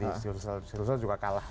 di sulsel juga kalah